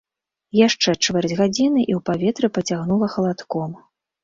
Яшчэ чвэрць гадзіны, і ў паветры пацягнула халадком.